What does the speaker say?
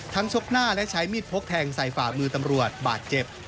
ชกหน้าและใช้มีดพกแทงใส่ฝ่ามือตำรวจบาดเจ็บ